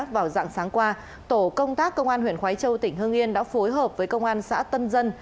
hôm qua tổ công tác công an huyện khói châu tỉnh hưng yên đã phối hợp với công an xã tân dân